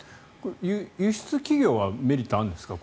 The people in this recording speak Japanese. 輸出企業はメリットはあるんですか？